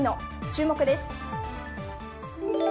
注目です。